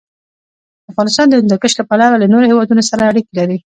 افغانستان د هندوکش له پلوه له نورو هېوادونو سره اړیکې لري.